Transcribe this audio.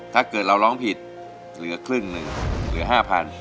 ถ้าเกิดเราร้องผิดเหลือครึ่งหนึ่งเหลือห้าพัน